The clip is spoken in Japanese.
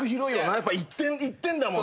やっぱ一点だもんな。